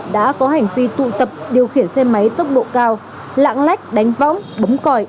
đã có hành vi tụ tập điều khiển xe máy tốc độ cao lạng lách đánh võng bấm còi